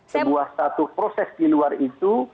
sebuah satu proses di luar itu